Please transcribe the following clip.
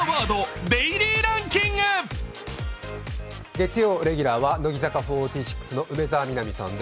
月曜レギュラーは乃木坂４６の梅澤美波さんです。